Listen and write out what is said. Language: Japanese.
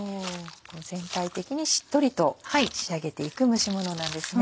こう全体的にしっとりと仕上げていく蒸しものなんですね。